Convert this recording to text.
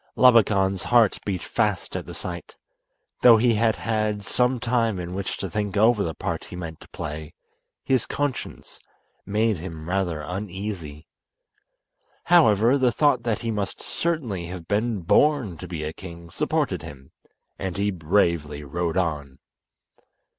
Labakan's heart beat fast at the sight. Though he had had some time in which to think over the part he meant to play his conscience made him rather uneasy. However, the thought that he must certainly have been born to be a king supported him, and he bravely rode on.